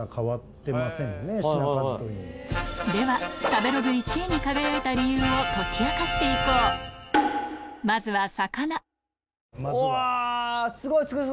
では食べログ１位に輝いた理由を解き明かしていこうまずは魚うわぁスゴいスゴい！